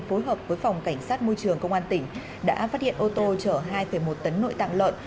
phối hợp với phòng cảnh sát môi trường công an tỉnh đã phát hiện ô tô chở hai một tấn nội tạng lợn